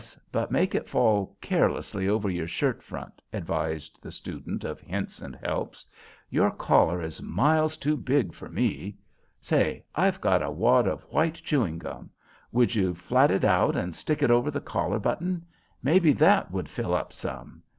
But make it fall carelessly over your shirt front," advised the student of Hints and Helps. "Your collar is miles too big for me. Say! I've got a wad of white chewing gum; would you flat it out and stick it over the collar button? Maybe that would fill up some.